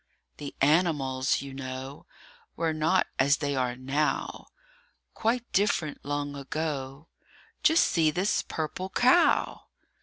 THE animals, you know, Were not as they are now; Quite different long ago Just see this purple cow!